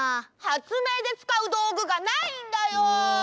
発明でつかうどうぐがないんだよ。